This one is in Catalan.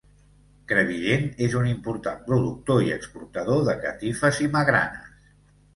Crevillent és un important productor i exportador de catifes i magranes.